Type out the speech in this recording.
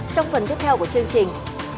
trong phần tiếp theo của chương trình